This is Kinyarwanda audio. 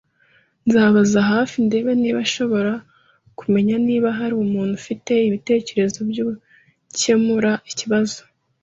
Nzabaza hafi ndebe niba nshobora kumenya niba hari umuntu ufite ibitekerezo byukemura ikibazo